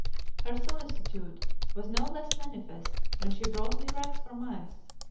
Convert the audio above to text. Her solicitude was no less manifest when she brought me rats or mice.